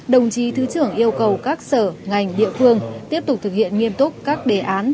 đồng chí thứ trưởng yêu cầu các sở ngành địa phương tiếp tục thực hiện nghiêm túc các đề án